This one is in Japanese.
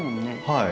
はい。